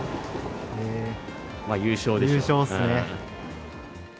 優勝ですね。